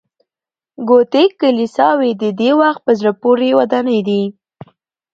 ګوتیک کلیساوې د دې وخت په زړه پورې ودانۍ دي.